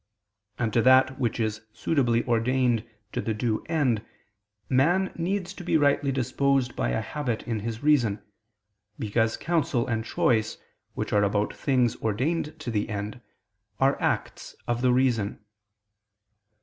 And to that which is suitably ordained to the due end man needs to be rightly disposed by a habit in his reason, because counsel and choice, which are about things ordained to the end, are acts of the reason.